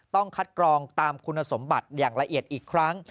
ต้องคัดกรองตามคุณสมบัติอย่างละเอียดอีกครั้ง